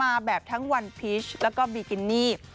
มาแบบทั้งวันพีชแล้วก็บีกินี่